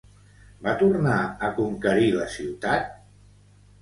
Va tornar a conquerir la ciutat?